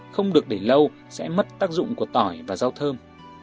không được để lâu sẽ mất tác dụng của tỏi và rau thơm